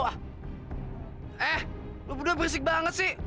eh lo berdua bersik banget sih